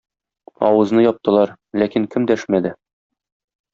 Авызны яптылар, ләкин кем дәшмәде?